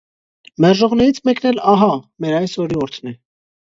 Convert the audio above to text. Մերժողներից մեկն էլ, ահա՛, մեր այս օրիորդն է: